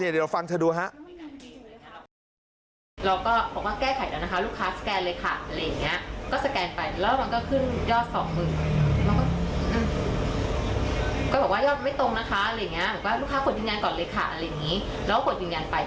เดี๋ยวฟังเธอดูฮะ